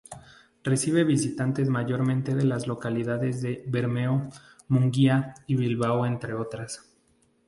Recibe visitantes mayormente de las localidades de Bermeo, Munguía y Bilbao, entre otras.